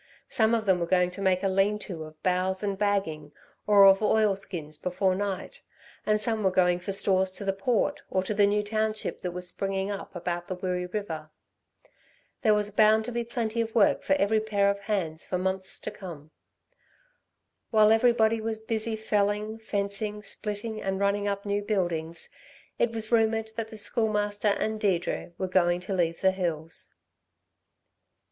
Some of them were going to make a lean to of boughs and bagging, or of oilskins before night, and some were going for stores to the Port, or to the new township that was springing up about the Wirree river. There was bound to be plenty of work for every pair of hands for months to come. While everybody was busy, felling, fencing, splitting, and running up new buildings, it was rumoured that the Schoolmaster and Deirdre were going to leave the hills.